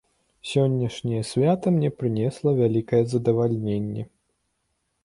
Сённяшняе свята мне прынесла вялікае задавальненне.